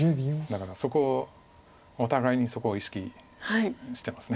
だからそこをお互いにそこを意識してます。